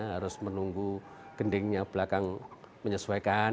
harus menunggu gendingnya belakang menyesuaikan